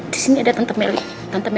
tante meli bakal jagain kamu